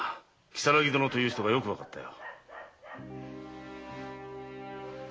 如月殿という人がよくわかったよ。